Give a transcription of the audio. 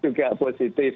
kemudian juga positif